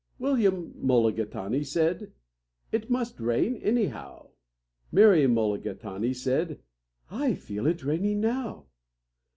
William Mulligatawny said, "It must rain, anyhow." Mary Mulligatawny said, "I feel it raining now."